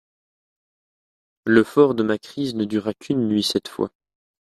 Le fort de ma crise ne dura qu'une nuit, cette fois.